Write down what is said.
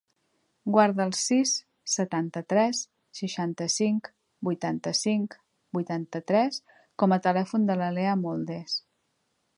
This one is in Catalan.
Guarda el sis, setanta-tres, seixanta-cinc, vuitanta-cinc, vuitanta-tres com a telèfon de la Lea Moldes.